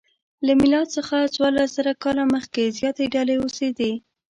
له میلاد څخه څوارلسزره کاله مخکې زیاتې ډلې اوسېدې.